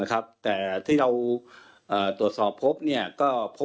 มีพฤติกรรมเสพเมถุนกัน